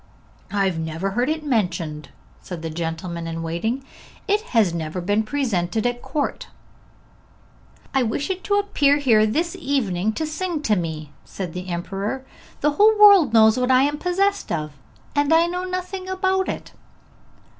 'I have never heard it mentioned,' said the gentleman in waiting. 'It has never been presented at court.' 'I wish it to appear here this evening to sing to me,' said the emperor. 'The whole world knows what I am possessed of, and I know nothing about it!'